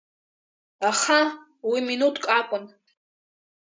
Аха уи минуҭк акәын.